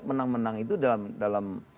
menang menang itu dalam